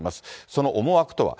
その思惑とは。